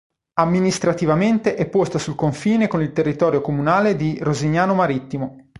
Amministrativamente è posta sul confine con il territorio comunale di Rosignano Marittimo.